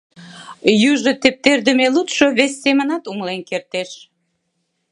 Южо тептердыме лудшо вес семынат умылен кертеш.